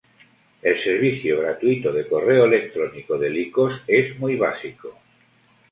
El servicio gratuito de correo electrónico de Lycos es muy básico.